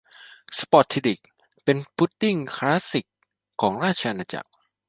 สป็อททิด ดิก เป็นพุดดิ้งคลาสสิกของสหราชอาณาจักร